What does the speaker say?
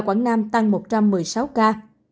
quảng nam tăng một trăm một mươi sáu ca